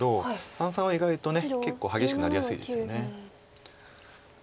三々は意外と結構激しくなりやすいですよね。